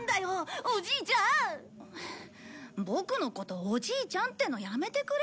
ボクのこと「おじいちゃん」ってのやめてくれ。